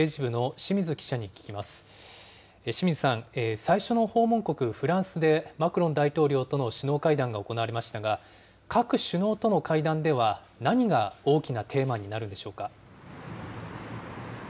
清水さん、最初の訪問国、フランスでマクロン大統領との首脳会談が行われましたが、各首脳との会談では、何が大きなテーマになるんでしょう